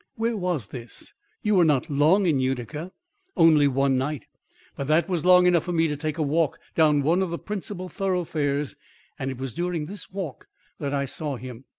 "Where was this? You were not long in Utica?" "Only one night. But that was long enough for me to take a walk down one of the principal thoroughfares and it was during this walk I saw him.